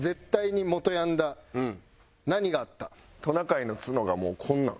トナカイの角がもうこんなん。